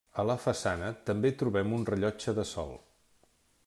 A la façana també trobem un rellotge de sol.